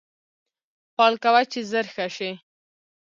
پال کوه چې زر ښه شې